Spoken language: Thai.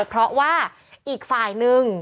เพราะว่าอีกฝ่ายนึง